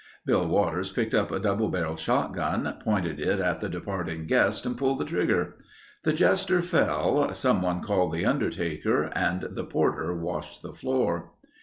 Bill Waters picked up a double barrelled shotgun, pointed it at the departing guest and pulled the trigger. The jester fell, someone called the undertaker and the porter washed the floor.